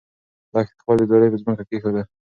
لښتې خپله ځولۍ په ځمکه کېښوده.